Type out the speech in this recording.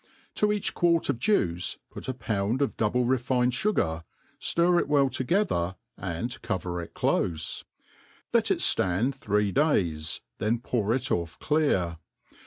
To each quart of juice put a pound of double refined fu gar, ftir it well together, and tQver it clofe ; let it ftand three days, then pour it off clear.